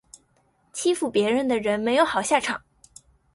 欺负别人的人没有好下场